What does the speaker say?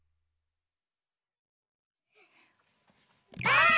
ばあっ！